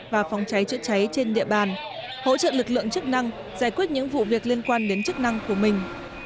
và phòng cháy chữa cháy trên địa bàn hỗ trợ lực lượng chức năng giải quyết những vụ việc liên quan đến chức năng của mình